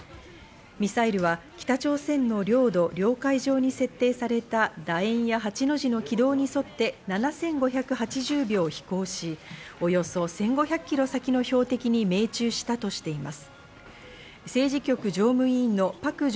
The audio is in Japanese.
ミサイルは北朝鮮の領土・領海上に設定された楕円や８の字の軌道に沿って７５８０秒飛行し、およそ１５００ｋｍ先の標的に命中したとしています。